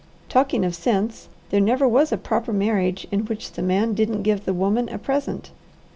Talking of sense, there never was a proper marriage in which the man didn't give the woman a present.